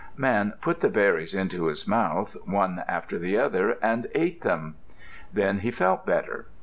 Man put the berries into his mouth, one after the other, and ate them. Then he felt better.